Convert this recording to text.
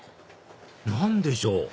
何でしょう？